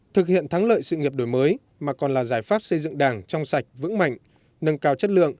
thực hiện thắng lợi sự nghiệp đổi mới mà còn là giải pháp xây dựng đảng trong sạch vững mạnh nâng cao chất lượng